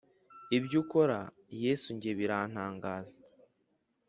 ibyo ukora yesu njye birantangaza